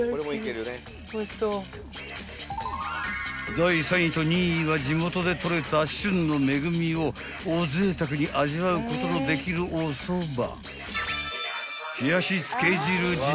［第３位と２位は地元でとれた旬の恵みをおぜいたくに味わうことのできるおそば］